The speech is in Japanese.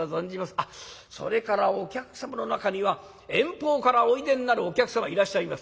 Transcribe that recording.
あっそれからお客様の中には遠方からおいでになるお客様いらっしゃいます。